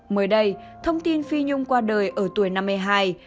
mới đây thông tin phi nhung qua đời ở tuổi năm mươi hai